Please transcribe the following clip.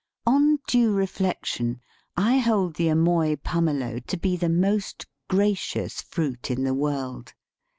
On due reflection I hold the Amoy pumelo to be the most gracious fruit in the world.